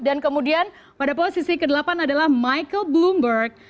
dan kemudian pada posisi kedelapan adalah michael bloomberg